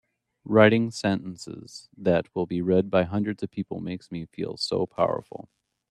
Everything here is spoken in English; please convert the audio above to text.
Writing sentences that will be read by hundreds of people makes me feel so powerful!